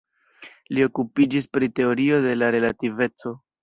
Li okupiĝis pri teorio de la relativeco.